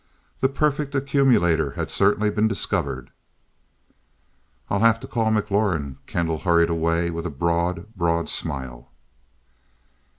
The perfect accumulator had certainly been discovered. "I'll have to call McLaurin " Kendall hurried away with a broad, broad smile.